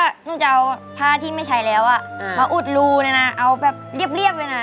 หนูจะเอาผ้าที่ไม่ใช้แล้วอ่ะมาอุดรูเลยนะเอาแบบเรียบเลยนะ